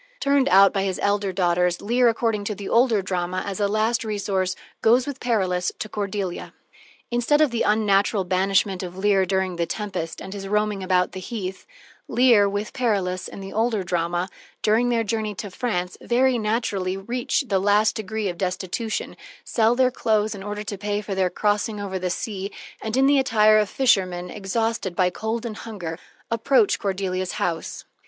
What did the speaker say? Turned out by his elder daughters, Leir, according to the older drama, as a last resource, goes with Perillus to Cordelia. Instead of the unnatural banishment of Lear during the tempest, and his roaming about the heath, Leir, with Perillus, in the older drama, during their journey to France, very naturally reach the last degree of destitution, sell their clothes in order to pay for their crossing over the sea, and, in the attire of fishermen, exhausted by cold and hunger, approach Cordelia's house.